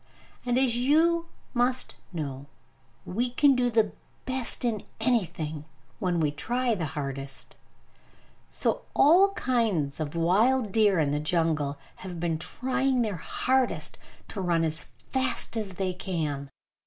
And, as you must know, we can do the best in anything when we try the hardest. So, all kinds of wild deer in the jungle have been trying their hardest to run as fast as they can.